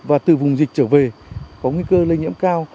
và từ vùng dịch trở về có nguy cơ lây nhiễm cao